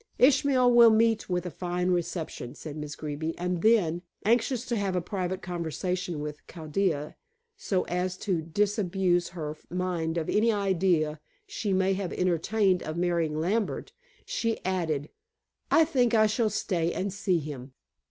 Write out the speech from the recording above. "Ishmael will meet with a fine reception," said Miss Greeby, and then, anxious to have a private conversation with Chaldea so as to disabuse her mind of any idea she may have entertained of marrying Lambert, she added, "I think I shall stay and see him."